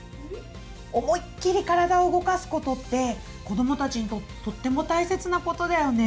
思いっきり体を動かすことって子どもたちにとってとっても大切なことだよね。